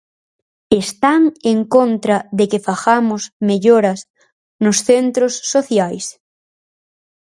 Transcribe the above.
¿Están en contra de que fagamos melloras nos centros sociais?